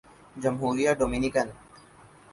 جمہوریہ ڈومینیکن